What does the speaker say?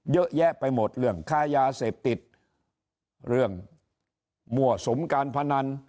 เยอะแยะไปหมดเรื่องค้ายาเสพติดเรื่องมั่วสุมการพนัน